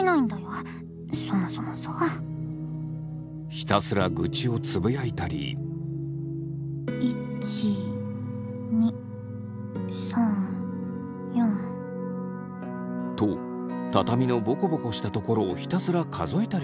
ひたすら愚痴をつぶやいたり。と畳のボコボコした所をひたすら数えたりしたそう。